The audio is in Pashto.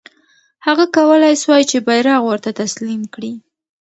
هغه کولای سوای چې بیرغ ورته تسلیم کړي.